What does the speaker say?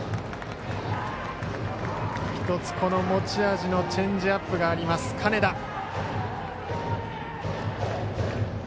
１つ、この持ち味のチェンジアップがあります、金田。